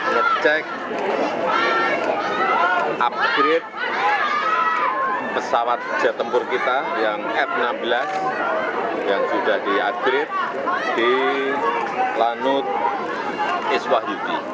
kita cek upgrade pesawat kerja tempur kita yang f enam belas yang sudah di upgrade di lanut iswahudi